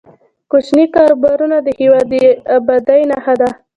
کوچني کاروبارونه د هیواد د ابادۍ نښه ده.